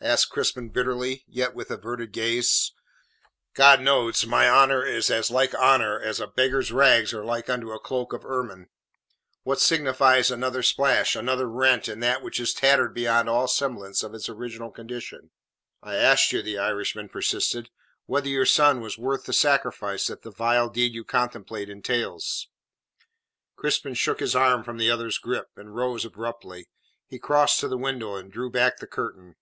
asked Crispin bitterly, yet with averted gaze. "God knows my honour is as like honour as a beggar's rags are like unto a cloak of ermine. What signifies another splash, another rent in that which is tattered beyond all semblance of its original condition?" "I asked you," the Irishman persisted, "whether your son was worth the sacrifice that the vile deed you contemplate entails?" Crispin shook his arm from the other's grip, and rose abruptly. He crossed to the window, and drew back the curtain.